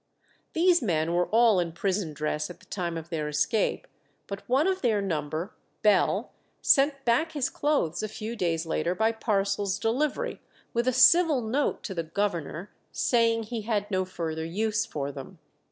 These men were all in prison dress at the time of their escape, but one of their number, Bell, sent back his clothes a few days later by parcel's delivery, with a civil note to the governor, saying he had no further use for them.